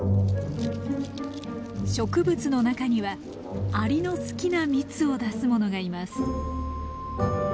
植物の中にはアリの好きな蜜を出すものがいます。